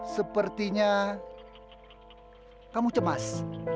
sepertinya kamu cemas